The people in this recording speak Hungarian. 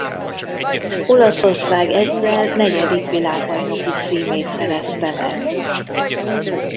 Olaszország ezzel negyedik világbajnoki címét szerezte meg.